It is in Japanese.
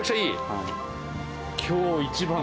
はい。